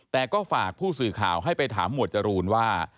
แต่ก็ฝากผู้สื่อข่าวให้ไปถามหมวดจรูนว่า